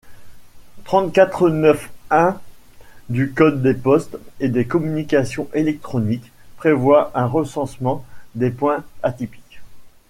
trente-quatre-neuf-un du code des postes et des communications électroniques prévoit un recensement des points atypiques.